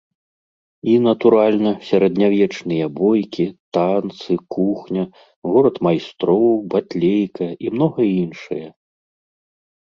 І, натуральна, сярэднявечныя бойкі, танцы, кухня, горад майстроў, батлейка і многае іншае.